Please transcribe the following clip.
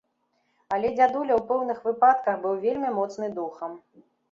Але дзядуля, у пэўных выпадках, быў вельмі моцны духам.